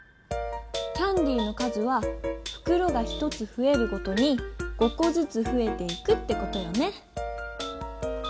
キャンディーの数はふくろが１つふえるごとに５コずつふえていくってことよね。